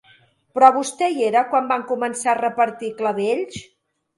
Però vostè hi era, quan van començar a repartir clavells?